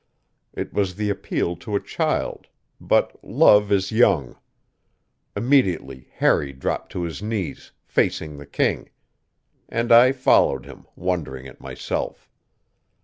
It was the appeal to a child; but love is young. Immediately Harry dropped to his knees, facing the king; and I followed him, wondering at myself.